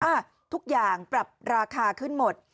ทุกอย่างปรับราคาขึ้นหมด